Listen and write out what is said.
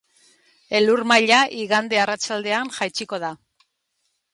Elur maila igande arratsaldean jaitsiko da.